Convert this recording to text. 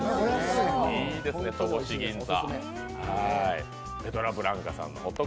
いいですね、戸越銀座。